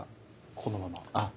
このまま。